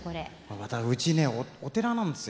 またうちねお寺なんですよ。